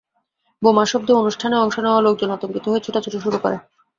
বোমার শব্দে অনুষ্ঠানে অংশ নেওয়া লোকজন আতঙ্কিত হয়ে ছোটাছুটি শুরু করে।